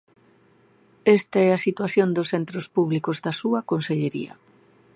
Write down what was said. Esta é a situación dos centros públicos da súa consellería.